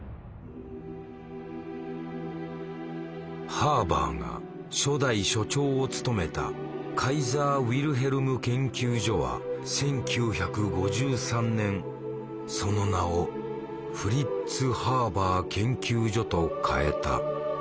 ハーバーが初代所長を務めたカイザー・ウィルヘルム研究所は１９５３年その名を「フリッツ・ハーバー研究所」と変えた。